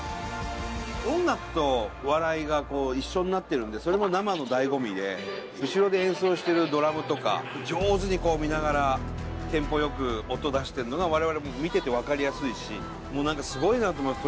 音楽と笑いが一緒になってるんでそれも生の醍醐味で後ろで演奏してるドラムとか上手に見ながらテンポ良く音出してんのが我々も見てて分かりやすいし何かすごいなと思います。